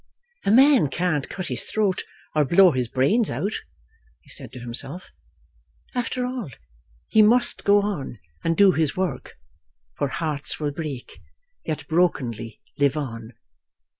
"A man can't cut his throat or blow his brains out," he said to himself; "after all, he must go on and do his work. For hearts will break, yet brokenly live on."